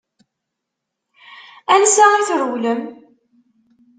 Ansa i trewlem?